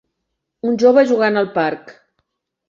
Un jove jugant al parc.